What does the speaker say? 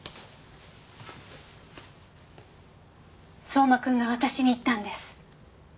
相馬君が私に言ったんです。